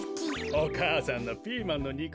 お母さんのピーマンのにく